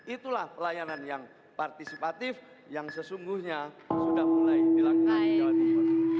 itulah pelayanan yang partisipatif yang sesungguhnya sudah mulai dilakukan di jawa timur